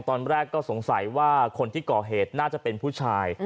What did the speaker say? ตอนแรกก็สงสัยว่าคนที่ก่อเหตุน่าจะเป็นผู้ชาย